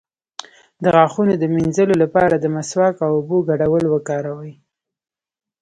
د غاښونو د مینځلو لپاره د مسواک او اوبو ګډول وکاروئ